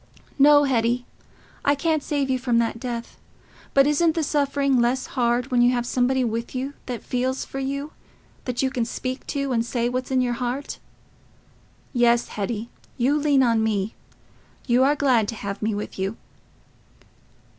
"No, Hetty, I can't save you from that death. But isn't the suffering less hard when you have somebody with you, that feels for you—that you can speak to, and say what's in your heart?... Yes, Hetty: you lean on me: you are glad to have me with you."